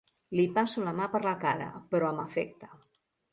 Li passo la mà per la cara, però amb afecte.